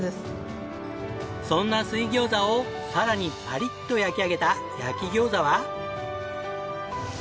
そんな水餃子をさらにパリッと焼き上げた焼き餃子は。